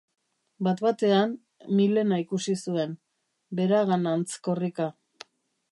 Bat-batean, Milena ikusi zuen, beraganantz korrika.